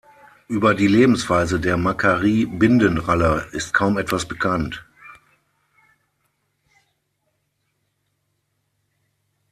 Über die Lebensweise der Macquarie-Bindenralle ist kaum etwas bekannt.